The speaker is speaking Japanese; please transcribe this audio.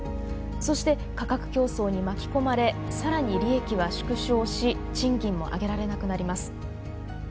そして価格競争に巻き込まれ更に利益は縮小し賃金も上げられなくなります。